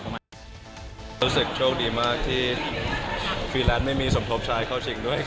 รู้สึกโชคดีมากที่ฟรีแลนซ์ไม่มีสมทบชายเข้าจริงด้วย